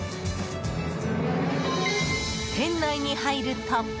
店内に入ると。